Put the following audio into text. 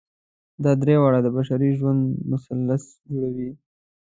دا درې واړه د بشري ژوند مثلث جوړوي.